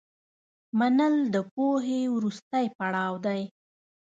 منل د پوهې وروستی پړاو دی.